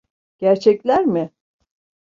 Gerçekler mi?